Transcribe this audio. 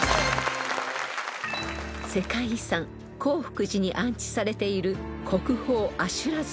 ［世界遺産興福寺に安置されている国宝阿修羅像］